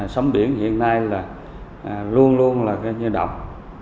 sống biển hiện nay là luôn luôn là như động